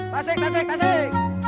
kasih kasih kasih